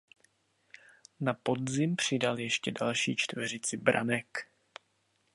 Na podzim přidal ještě další čtveřici branek.